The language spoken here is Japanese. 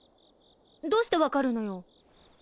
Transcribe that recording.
どうしてわかるのよ。